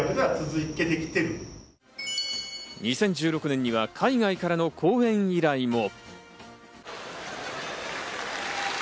２０１６年には海外からの公演依頼も。